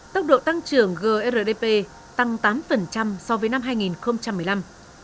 tốc độ tăng trưởng grdp tăng tám so với năm hai nghìn một mươi năm